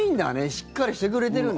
しっかりしてくれてるね。